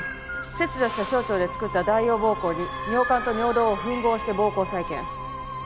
切除した小腸で作った代用膀胱に尿管と尿道を吻合して膀胱を再建。